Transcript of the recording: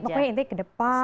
jadi makanya intinya ke depan